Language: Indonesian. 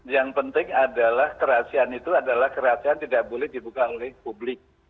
yang penting adalah kerahasiaan itu adalah kerahasiaan tidak boleh dibuka oleh publik